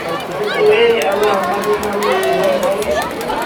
tukubere abana b'inkoramutima, nawe